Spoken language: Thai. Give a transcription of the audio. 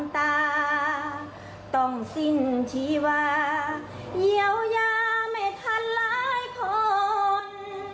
ตาต้องสิ้นชีวาเยียวยาไม่ทันหลายคน